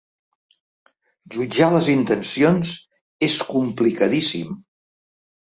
Jutjar les intencions és complicadíssim.